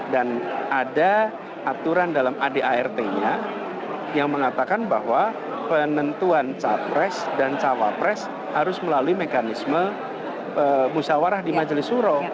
dan ada aturan dalam adart nya yang mengatakan bahwa penentuan capres dan cawapres harus melalui mekanisme musyawarah di majelis suro